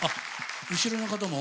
後ろの方も？